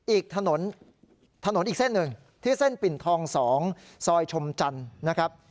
อีกถนนถนนอีกเส้นหนึ่งที่เส้นปิ่นทอง๒ซอยชมจันทร์นะครับ